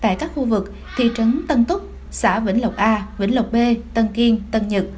tại các khu vực thị trấn tân túc xã vĩnh lộc a vĩnh lộc b tân kiên tân nhật